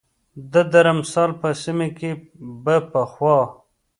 د درمسال په سیمه کې به پخوا